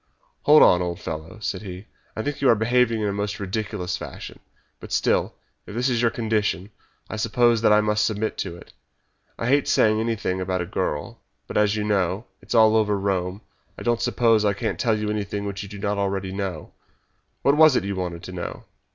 "Hold on, old fellow," said he; "I think you are behaving in a most ridiculous fashion; but still; if this is your condition, I suppose that I must submit to it. I hate saying anything about a girl, but, as you say, it is all over Rome, and I don't suppose I can tell you anything which you do not know already. What was it you wanted to know?"